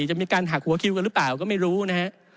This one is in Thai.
จะมีการหักหัวคิวกันหรือเปล่าก็ไม่รู้นะฮะ